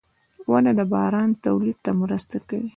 • ونه د باران تولید ته مرسته کوي.